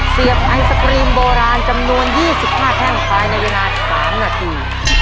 เสียบไอศกรีมโบราณจำนวน๒๕แท่งภายในเวลา๓นาที